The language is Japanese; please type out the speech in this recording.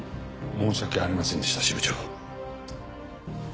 申し訳ありませんでした支部長。